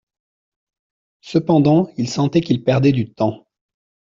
Cependant il sentait qu'il perdait du temps.